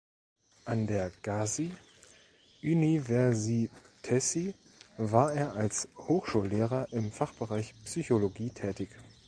An der Gazi Üniversitesi war er als Hochschullehrer im Fachbereich Psychologie tätig.